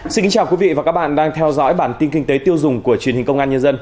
xin kính chào quý vị và các bạn đang theo dõi bản tin kinh tế tiêu dùng của truyền hình công an nhân dân